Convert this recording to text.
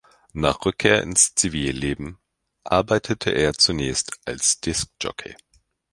Nach Rückkehr ins Zivilleben arbeitete er zunächst als Diskjockey.